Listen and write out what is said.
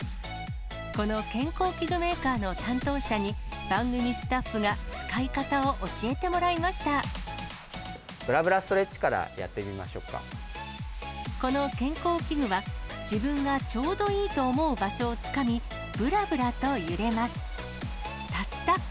この健康器具メーカーの担当者に、番組スタッフが使い方を教えてもぶらぶらストレッチからやっこの健康器具は、自分がちょうどいいと思う場所をつかみ、ぶらぶらと揺れます。